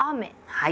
はい。